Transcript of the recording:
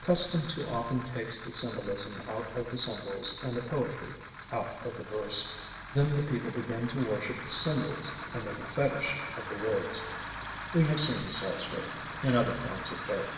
Custom too often takes the symbolism out of the symbols and the poetry out of the verse. Then the people begin to worship the symbols and make a fetich of the words. We have seen this elsewhere in other forms of faith.